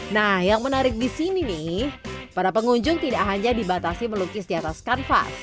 nah yang menarik di sini nih para pengunjung tidak hanya dibatasi melukis di atas kanvas